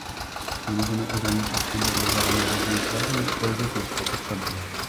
Nie możemy ograniczać się do rozdawania ryżu i chleba, jakkolwiek jest to potrzebne